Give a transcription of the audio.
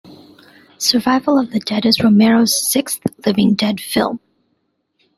"Survival of the Dead" is Romero's sixth "Living Dead" film.